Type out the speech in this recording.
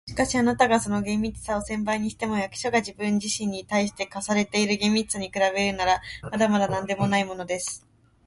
「しかし、あなたがその厳密さを千倍にしても、役所が自分自身に対して課している厳密さに比べるなら、まだまだなんでもないものです。